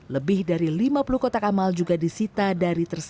lebih dari lima puluh kotak amal juga disita dari tersangka